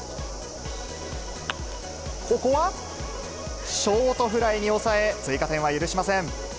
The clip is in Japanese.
ここは、ショートフライに抑え、追加点は許しません。